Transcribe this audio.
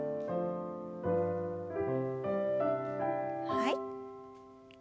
はい。